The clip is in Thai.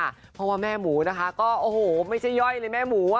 เพราะว่าแม่หมูนะคะก็โอ้โหไม่ใช่ย่อยเลยแม่หมูอ่ะ